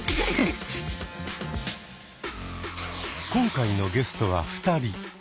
今回のゲストは２人。